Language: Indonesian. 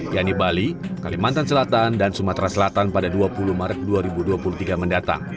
yaitu bali kalimantan selatan dan sumatera selatan pada dua puluh maret dua ribu dua puluh tiga mendatang